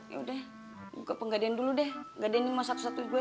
yaudah gue penggadein dulu deh gadein nih mau satu satunya gue